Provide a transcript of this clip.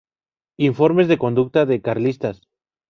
Informes de conducta de carlistas.